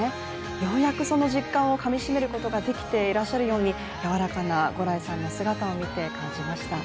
ようやくその実感をかみしめることができていらっしゃるように、やわらかな牛来さんの姿を見て感じました。